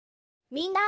みんな。